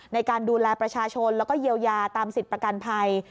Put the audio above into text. ในการดูแลประชาชนแล้วก็เยียวยาตามสิทธิ์ประกันภัย